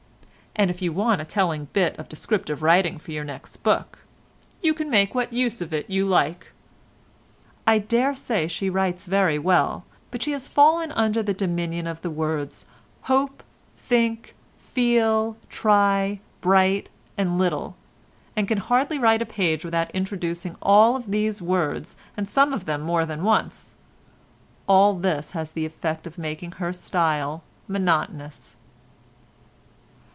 And if you want a telling bit of descriptive writing for your next book, you can make what use of it you like." I daresay she writes very well, but she has fallen under the dominion of the words "hope," "think," "feel," "try," "bright," and "little," and can hardly write a page without introducing all these words and some of them more than once. All this has the effect of making her style monotonous.